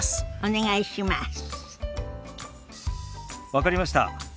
分かりました。